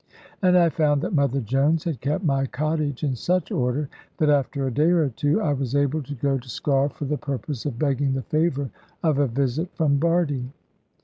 And I found that Mother Jones had kept my cottage in such order, that after a day or two I was able to go to Sker for the purpose of begging the favour of a visit from Bardie.